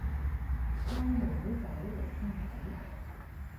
拉妹妹仔嚟傾偈